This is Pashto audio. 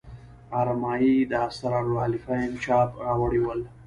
ارمایي د اسرار العارفین چاپه راوړي ول.